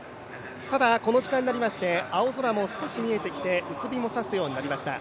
ただ、この時間になりまして青空も少し見えてきて薄日も差すようになりました。